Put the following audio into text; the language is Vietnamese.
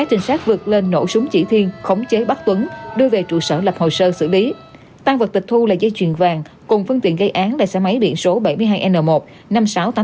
cùng phương tiện gây án đài xe máy điện số bảy mươi hai n một năm nghìn sáu trăm tám mươi tám